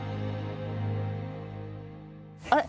あれ？